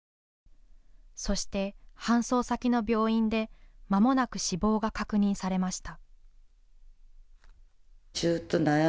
そして搬送先の病院で、まもなく死亡が確認されました。